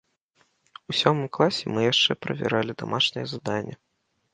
У сёмым класе мы яшчэ правяралі дамашняе заданне.